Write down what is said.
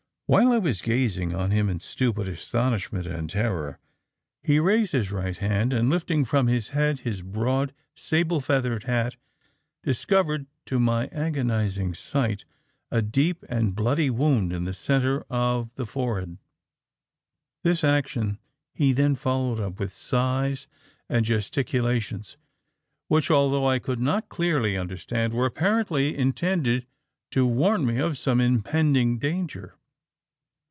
"While I was gazing on him in stupid astonishment and terror, he raised his right hand, and lifting from his head his broad, sable feathered hat, discovered to my agonising sight a deep and bloody wound in the centre of the forehead. "This action he then followed up with sighs and gesticulations which, although I could not clearly understand, were apparently intended to warn me of some impending danger.